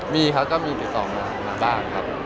มีครับก็มีติดต่อมาบ้างครับ